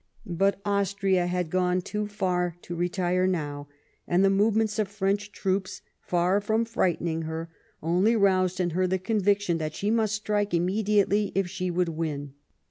But Austria had gone too far to retire now, and the movements of French troops, far from frightening her, only roused in her the conviction that she must strike immediately if she would win.